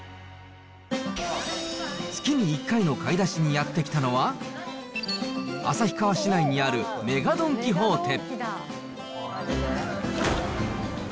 月に１回の買い出しにやって来たのは、旭川市内にある、メガ・ドン・キホーテ。